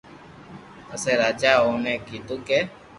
پسي راجا اي اوني ڪآدو ڪي